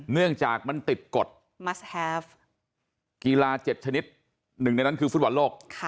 เนื่องจากมันติดกฎกีฬา๗ชนิด๑ในนั้นคือศุษย์หวังโลก